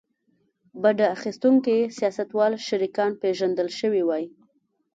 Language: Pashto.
بډه اخیستونکي سیاستوال شریکان پېژندل شوي وای.